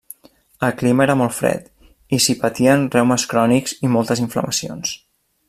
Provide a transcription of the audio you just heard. El clima era molt fred, i s'hi patien reumes crònics i moltes inflamacions.